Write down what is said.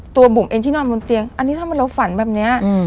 บุ๋มเองที่นอนบนเตียงอันนี้ถ้าเราฝันแบบนี้